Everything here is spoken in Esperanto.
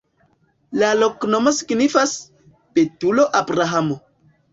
La loknomo signifas: betulo-Abrahamo.